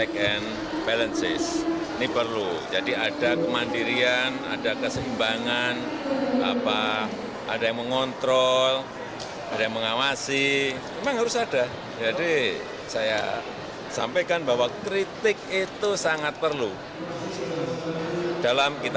kami teman teman advokat